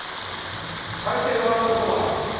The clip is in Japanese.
「回転わんこそば」